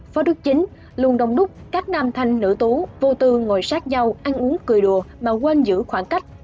phó đức chính luôn đông đúc các nam thanh nữ tú vô tư ngồi sát nhau ăn uống cười đùa mà quên giữ khoảng cách